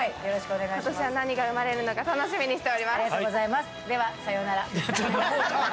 今年は何が生まれるのか、楽しみにしております。